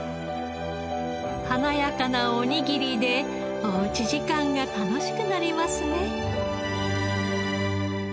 華やかなおにぎりでおうち時間が楽しくなりますね。